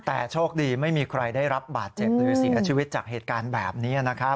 แต่โชคดีไม่มีใครได้รับบาดเจ็บหรือเสียชีวิตจากเหตุการณ์แบบนี้นะครับ